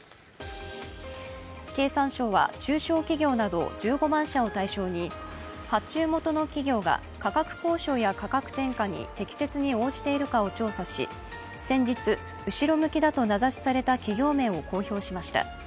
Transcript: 経産省は中小企業など１５万社を対象に発注元の企業が価格交渉や価格転嫁に適切に応じているかを調査し先日、後ろ向きだと名指しされた企業名を公表しました。